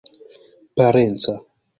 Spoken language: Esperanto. parenca